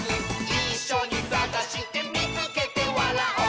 「いっしょにさがしてみつけてわらおう！」